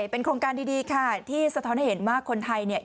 เป็นโครงการดีค่ะที่สะท้อนให้เห็นว่าคนไทยเนี่ย